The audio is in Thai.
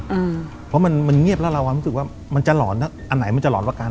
อืมเพราะมันมันเงียบแล้วเรามันมันจะหล่อนนะอันไหนมันจะหล่อนวะกัน